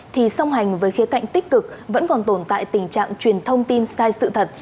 thì song hành với khía cạnh tích cực vẫn còn tồn tại tình trạng truyền thông tin sai sự thật